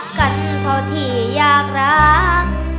รักกันเพราะที่อยากรัก